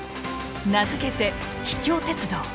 名付けて「秘境鉄道」。